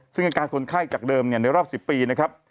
ซึ่งอาการคนไข้จากเดิมในรอบ๑๐ปีนะครับ